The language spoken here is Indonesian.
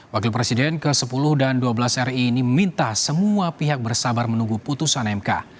wakil presiden ke sepuluh dan ke dua belas ri ini meminta semua pihak bersabar menunggu putusan mk